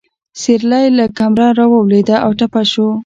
سېرلی له کمره راولوېده او ټپي شو.